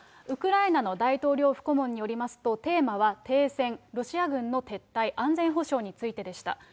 ウクライナの大統領府顧問によりますと、テーマは停戦、ロシア軍の撤退、安全保障についてでした。